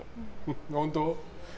本当？